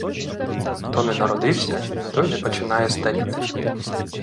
Хто не народився, той не починає старіти